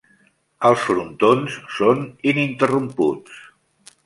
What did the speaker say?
Els frontons són ininterromputs.